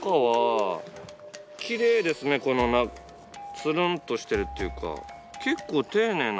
つるんとしてるっていうか。